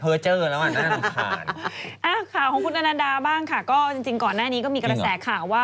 เผลอเจอแล้วอ่ะอ่ะข่าวของคุณอันดาบ้างค่ะก็จริงจริงก่อนหน้านี้ก็มีกระแสข่าวว่า